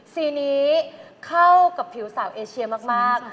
สีนี้เข้ากับผิวสาวเอเชียมาก